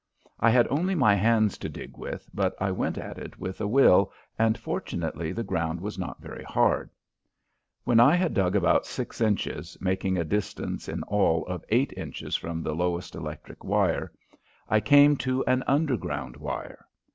I had only my hands to dig with, but I went at it with a will, and fortunately the ground was not very hard. When I had dug about six inches, making a distance in all of eight inches from the lowest electric wire, I came to an underground wire.